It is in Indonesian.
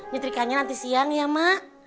nyetrikanya nanti siang ya mak